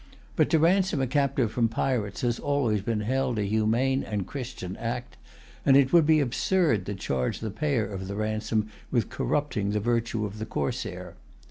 But to ransom a captive from pirates has always been held a humane and Christian act; and it would be absurd to charge the payer of the ransom with corrupting the virtue of the corsair.